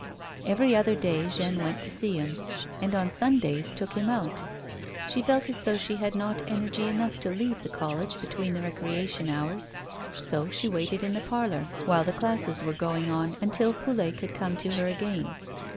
Every other day Jeanne went to see him, and on Sundays took him out. She felt as though she had not energy enough to leave the college between the recreation hours, so she waited in the parloir while the classes were going on until Poulet could come to her again.